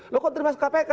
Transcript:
loh kok terima kpk